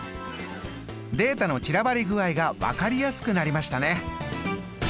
データの散らばり具合が分かりやすくなりましたね。